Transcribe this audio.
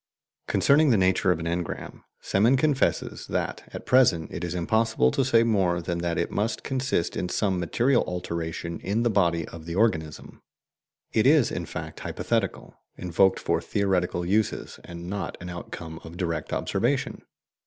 Concerning the nature of an engram, Semon confesses that at present it is impossible to say more than that it must consist in some material alteration in the body of the organism ("Die mnemischen Empfindungen," p. 376). It is, in fact, hypothetical, invoked for theoretical uses, and not an outcome of direct observation.